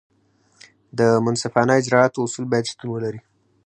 د منصفانه اجراآتو اصول باید شتون ولري.